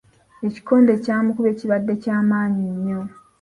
Ekikonde ky'amukubye kibadde kya maanyi nnyo.